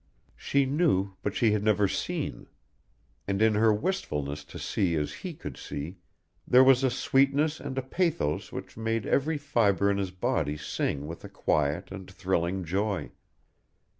She knew, but she had never seen; and in her wistfulness to see as HE could see there was a sweetness and a pathos which made every fiber in his body sing with a quiet and thrilling joy.